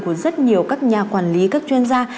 của rất nhiều các nhà quản lý các chuyên gia